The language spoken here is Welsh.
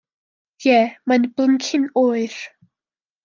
Ie, mae'n blincin oer!